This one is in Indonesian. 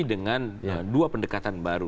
dengan dua pendekatan baru